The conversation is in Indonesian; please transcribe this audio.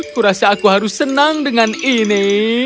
aku rasa aku harus senang dengan ini